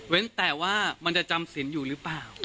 แต่ว่ามันจะจำสินอยู่หรือเปล่า